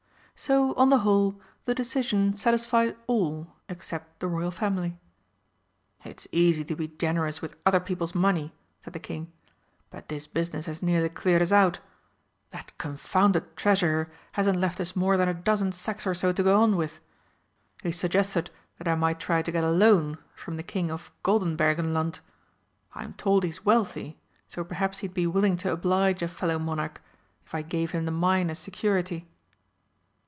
So, on the whole, the decision satisfied all except the Royal Family. "It's easy to be generous with other people's money!" said the King. "But this business has nearly cleared us out. That confounded Treasurer hasn't left us more than a dozen sacks or so to go on with. He's suggested that I might try to get a loan from the King of Goldenbergenland. I'm told he's wealthy, so perhaps he'd be willing to oblige a fellow monarch, if I gave him the mine as security."